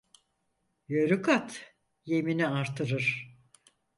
Yöğrük at yemini artırır.